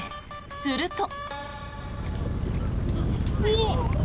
すると。